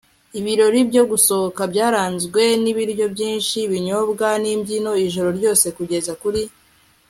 ibirori byo gusohoka,' byaranzwe n'ibiryo byinshi, ibinyobwa n'imbyino ijoro ryose kugeza kuri